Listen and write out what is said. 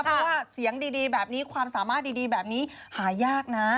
เพราะว่าเสียงดีแบบนี้ความสามารถดีแบบนี้หายากนะ